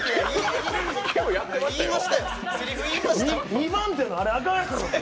２番手のあれ、あかん。